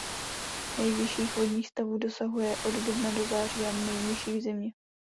Nejvyšších vodních stavů dosahuje od dubna do září a nejnižších v zimě.